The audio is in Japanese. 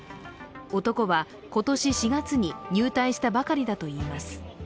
男は今年４月に入隊したばかりだといいます。